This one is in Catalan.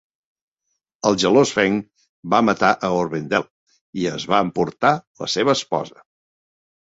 El gelós Feng va matar a Orwendel i es va emportar la seva esposa.